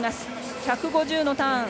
１５０のターン。